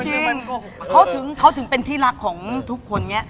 จริงเขาถึงเป็นที่รักของทุกคนเนี่ย